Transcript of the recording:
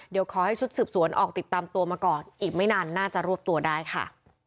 เดี๋ยวขอให้ชุดสืบสวนออกติดตามตัวมาก่อนอีกไม่นานน่าจะรวบตัวได้ค่ะ